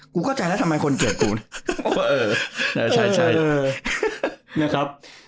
กูเข้าใจแล้วทำไมคนเกลียดกูเออเออใช่ใช่นี่ครับ